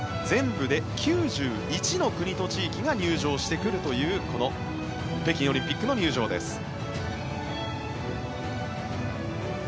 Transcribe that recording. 全部で９１の国と地域が入場してくるというこの北京オリンピックの入場です。